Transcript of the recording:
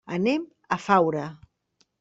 Anem a Faura.